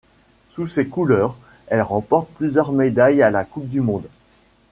Sous ces couleurs, elle remporte plusieurs médailles à la coupe du monde.